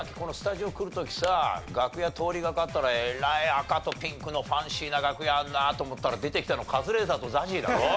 楽屋通りかかったらえらい赤とピンクのファンシーな楽屋あるなと思ったら出てきたのカズレーザーとＺＡＺＹだろ。